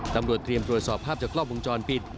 ตำรวจเตรียมตรวจสอบภาพจากกล้องวงจรปิด